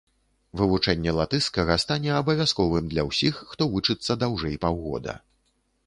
Вывучэнне латышскага стане абавязковым для ўсіх, хто вучыцца даўжэй паўгода.